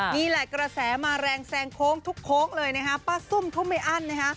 นี่แหละกระแสมาแรงแซงโค้งทุกโค้งเลยนะฮะป้าซุ่มทุ่มไม่อั้นนะฮะ